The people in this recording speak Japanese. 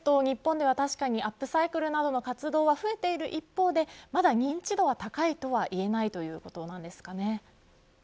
そう見ると日本では確かにアップサイクルなどの活動は増えている一方でまだ認知度は高いとはいえないそうなんですね。